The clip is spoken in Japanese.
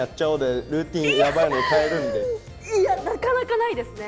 いやなかなかないですね。